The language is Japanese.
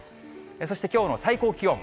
そしてきょうの最高気温。